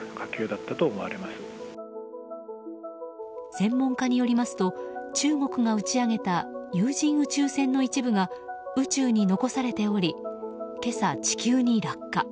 専門家によりますと中国が打ち上げた有人宇宙船の一部が宇宙に残されており今朝、地球に落下。